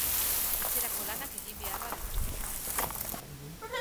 Etxerako lanak egin beharra dut